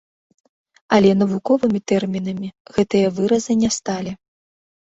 Але навуковымі тэрмінамі гэтыя выразы не сталі.